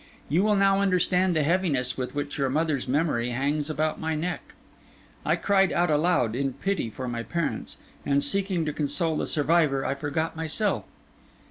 You will now understand the heaviness with which your mother's memory hangs about my neck.' I cried out aloud, in pity for my parents; and in seeking to console the survivor, I forgot myself.